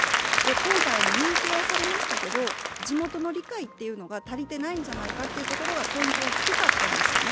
今回、認定はされましたけど、地元の理解が足りていないんじゃないかというところがポイントは低かったんですよね。